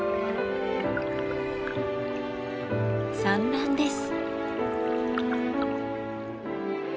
産卵です。